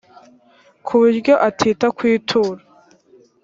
ku buryo atita ku ituro